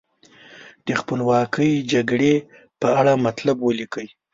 د خپلواکۍ جګړې په اړه مطلب ولیکئ.